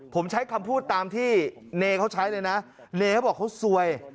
ผมใช้คำพูดตามที่เนเขาใช้เลยนะเนเขาบอกเขาซวย